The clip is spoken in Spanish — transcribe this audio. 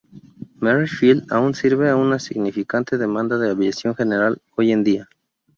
Merril Field aún sirve a una significante demanda de aviación general hoy en día.